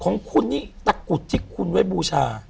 ของคุณนี่ตะกรุดที่คุณไว้บูชา